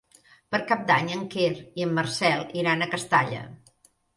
Per Cap d'Any en Quer i en Marcel iran a Castalla.